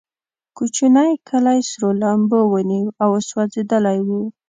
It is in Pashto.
کوچنی کلی سرو لمبو ونیو او سوځېدلی و.